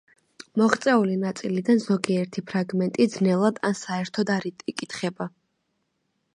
მოღწეული ნაწილიდან ზოგიერთი ფრაგმენტი ძნელად ან საერთოდ არ იკითხება.